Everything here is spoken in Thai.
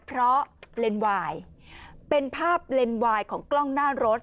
เพราะเลนส์วายเป็นภาพเลนวายของกล้องหน้ารถ